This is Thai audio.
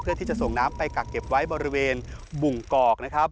เพื่อที่จะส่งน้ำไปกักเก็บไว้บริเวณบุ่งกอกนะครับ